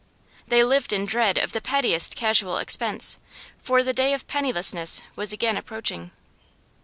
They lived in dread of the pettiest casual expense, for the day of pennilessness was again approaching.